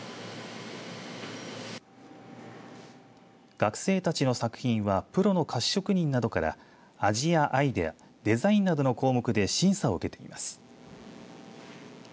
学生たちの作品はプロの菓子職人などから味やアイデアデザインなどの項目で審査を受けています。